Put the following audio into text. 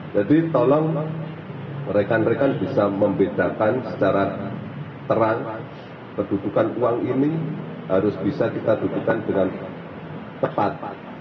jadi tolong rekan rekan bisa membedakan secara terang kedudukan uang ini harus bisa kita dudukan dengan tepat